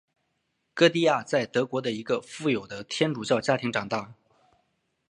歌地亚在德国的一个富有的天主教家庭长大。